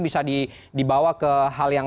bisa dibawa ke hal yang